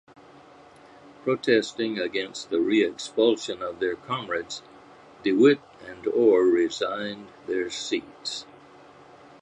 Protesting against the re-expulsion of their comrades, DeWitt and Orr resigned their seats.